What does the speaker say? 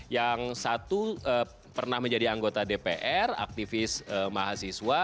yang satu pernah menjadi anggota dpr aktivis mahasiswa